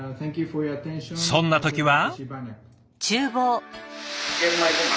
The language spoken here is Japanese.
そんな時は。